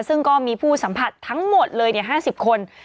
ซึ่งก็มีผู้สัมผัสทั้งหมดเลย๕๐คน